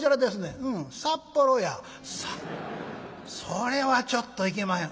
それはちょっと行けまへん」。